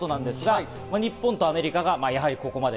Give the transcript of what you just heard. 日本とアメリカがやはりここまで。